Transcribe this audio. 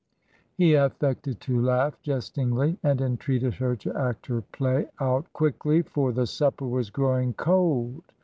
He affected to laugh jest ingly, and entreated her to act her play out quickly, for the supper was growing cold.